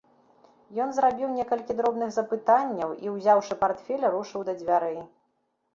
Ён зрабіў некалькі дробных запытанняў і, узяўшы партфель, рушыў да дзвярэй.